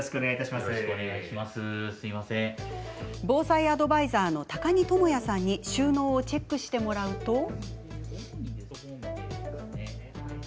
防災アドバイザーの高荷智也さんに収納をチェックしてもらうと。